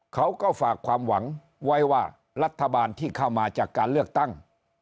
เขาก็ฝากความหวังไว้ว่ารัฐบาลที่เข้ามาจากการเลือกตั้ง